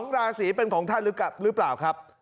ราศีเป็นของท่านหรือเปล่าครับ